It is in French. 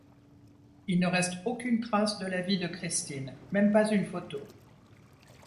Il ne reste aucune trace de la vie de Christine, même pas une photo.